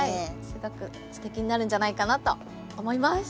すごくすてきになるんじゃないかなと思います。